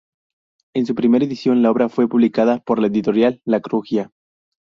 En su primera edición, la obra fue publicada por Editorial La Crujía.